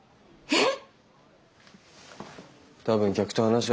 えっ？